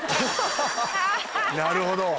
なるほど！